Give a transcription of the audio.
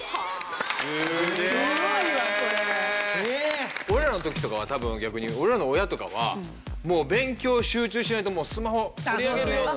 すごい！俺らの時とかは多分逆に俺らの親とかはもう勉強に集中しないともうスマホ取り上げるよって。